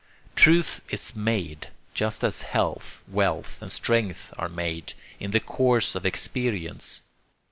Truth is MADE, just as health, wealth and strength are made, in the course of experience.